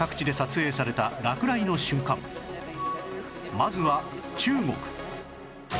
まずは中国